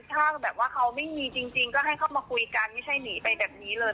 ถ้าแบบว่าเขาไม่มีจริงก็ให้เข้ามาคุยกันไม่ใช่หนีไปแบบนี้เลย